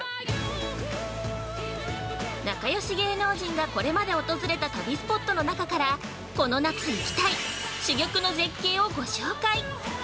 ◆仲よし芸能人がこれまで訪れた旅スポットの中から、この夏行きたい、珠玉の絶景をご紹介。